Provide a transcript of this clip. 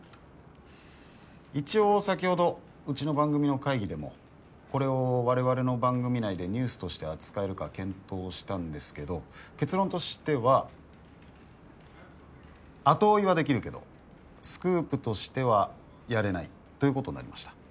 一応先ほどうちの番組の会議でもこれを我々の番組内でニュースとして扱えるか検討したんですけど結論としては後追いはできるけどスクープとしてはやれないということになりました。